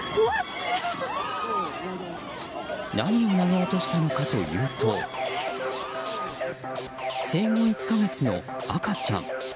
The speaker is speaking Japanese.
何を投げ落としたのかというと生後１か月の赤ちゃん。